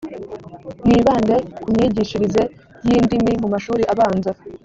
mwibande kumyigishirize y indimi mu mashuri abanza .